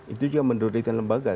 itu juga mendowngrade kan lembaga